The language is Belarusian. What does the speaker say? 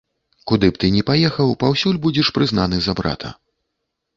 Куды б ты ні паехаў, паўсюль будзеш прызнаны за брата.